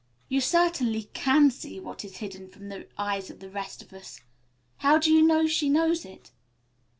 "You certainly can see what is hidden from the eyes of the rest of us. How do you know she knows it?"